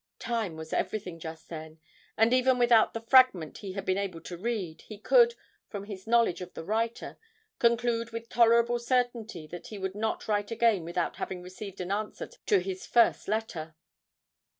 Time was everything just then, and even without the fragment he had been able to read, he could, from his knowledge of the writer, conclude with tolerable certainty that he would not write again without having received an answer to his first letter.